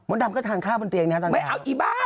ดำก็ทานข้าวบนเตียงนะครับตอนนี้ไม่เอาอีบ้า